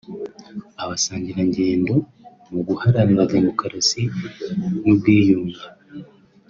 basangirangendo mu guharanira demokarasi n’ubwiyunge